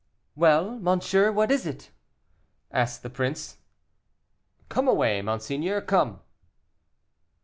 "Well, monsieur, what is it?" asked the prince. "Come away, monseigneur, come."